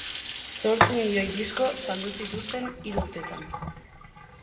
Zortzi miloi disko saldu zituzten hiru urtetan.